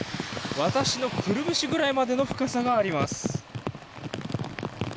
私のくるぶしぐらいまでの深さがあります。